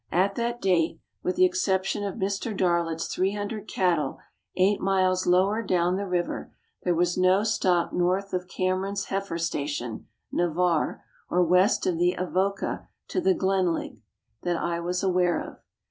At that date, with the exception of Mr. Darlot's 300 cattle eight miles lower down the river, there was no stock north of Cameron's heifer station (Navarre) or west of the Avoca to the Glenelg, that I was aware of.